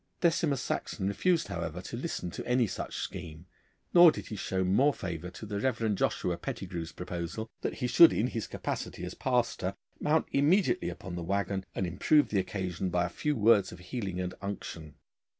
Decimus Saxon refused, however, to listen to any such scheme, nor did he show more favour to the Reverend Joshua Pettigrue's proposal, that he should in his capacity as pastor mount immediately upon the waggon, and improve the occasion by a few words of healing and unction.